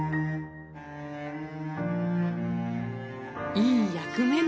いい役目ね。